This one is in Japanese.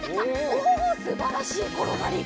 おおすばらしいころがり！